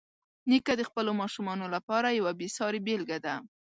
نیکه د خپلو ماشومانو لپاره یوه بېسارې بېلګه ده.